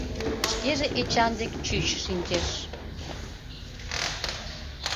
Шкеже Эчан дек чӱч шинчеш.